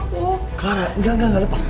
hubungan saya aku mau jangan salah paham